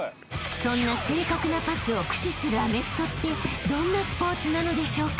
［そんな正確なパスを駆使するアメフトってどんなスポーツなのでしょうか？］